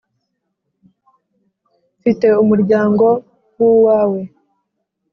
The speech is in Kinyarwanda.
mfite umuryango nk'uwawe."